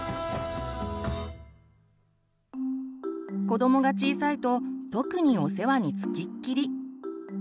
子どもが小さいと特にお世話に付きっきり。